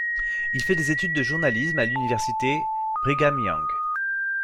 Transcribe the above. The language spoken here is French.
Il fait des études de journalisme à l’université Brigham Young.